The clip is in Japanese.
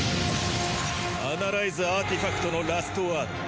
アナライズアーティファクトのラストワード。